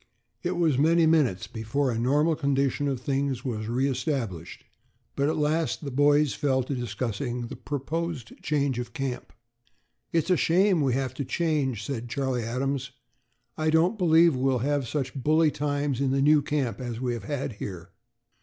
It was many minutes before a normal condition of things was re established, but at last the boys fell to discussing the proposed change of camp. "It's a shame that we have to change," said Charlie Adams; "I don't believe we'll have such bully times in the new camp as we have had here."